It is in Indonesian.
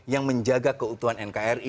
yang menjaga keutuhan nkri